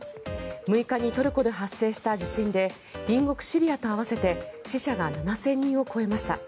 ６日にトルコで発生した地震で隣国シリアと合わせて死者が７０００人を超えました。